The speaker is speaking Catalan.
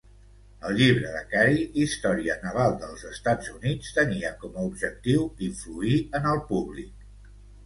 El llibre de Carey, Història naval dels Estats Units, tenia com a objectiu influir en el públic.